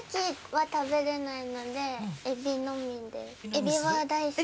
エビ大好き？